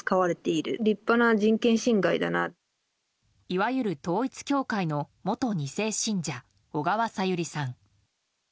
いわゆる統一教会の元２世信者小川さゆりさん。